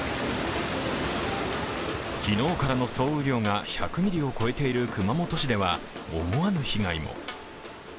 昨日からの総雨量が１００ミリを超えている熊本市では、思わぬ被害も。